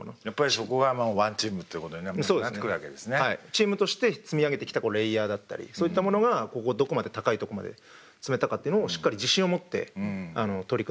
チームとして積み上げてきたレイヤーだったりそういったものがどこまで高いとこまで積めたかというのをしっかり自信を持って取り組んでほしいなって。